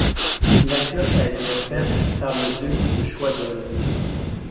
La cloche a été offerte par le duc de Choiseul.